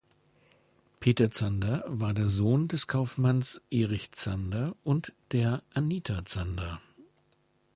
Peter Zander war der Sohn des Kaufmanns Erich Zander und der Anita Zander.